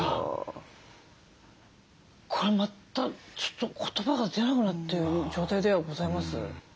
これまたちょっと言葉が出なくなってる状態ではございます。